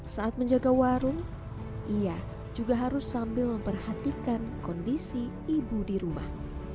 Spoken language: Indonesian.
saat menjaga warung ia juga harus sambil memperhatikan kondisi ibu di rumah